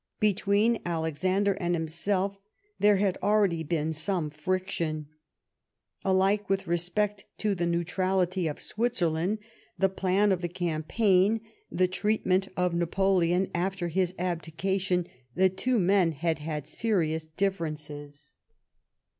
Between Alexander and himself there had already been some friction. Alike with respect to the neutrality of Switzerland, the plan of the campaign, the treatment of Napoleon after his abdication, the two men had had serious differences.